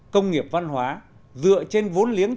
công nghiệp văn hóa dựa trên vốn liếng